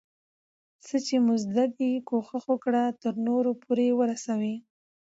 څه چي مو زده دي، کوښښ وکړه ترنور پورئې ورسوې.